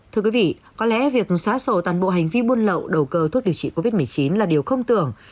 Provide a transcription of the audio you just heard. thưa quý vị có lẽ việc xóa sổ toàn bộ hành vi buôn lậu đầu cơ thuốc điều trị covid một mươi chín là điều không tưởng